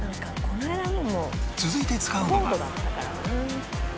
続いて使うのが